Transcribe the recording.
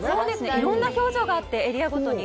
いろんな表情があってエリアごとに。